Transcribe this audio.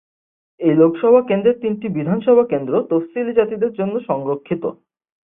এই লোকসভা কেন্দ্রের তিনটি বিধানসভা কেন্দ্র তফসিলী জাতিদের জন্য সংরক্ষিত।